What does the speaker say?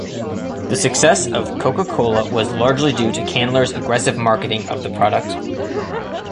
The success of Coca-Cola was largely due to Candler's aggressive marketing of the product.